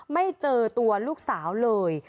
ไม่เจอตัวลูกสาวเลย